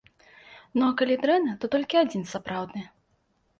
Ну, а калі дрэнна, то толькі адзін, сапраўдны.